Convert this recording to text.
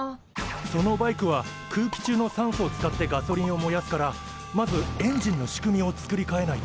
そのバイクは空気中の酸素を使ってガソリンを燃やすからまずエンジンの仕組みを作りかえないと。